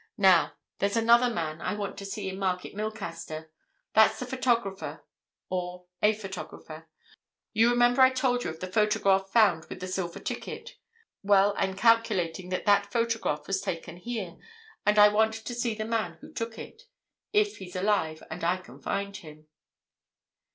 Now, there's another man I want to see in Market Milcaster. That's the photographer—or a photographer. You remember I told you of the photograph found with the silver ticket? Well, I'm calculating that that photograph was taken here, and I want to see the man who took it—if he's alive and I can find him."